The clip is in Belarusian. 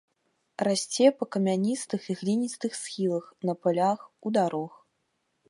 Расце па камяністых і гліністых схілах, на палях, у дарог.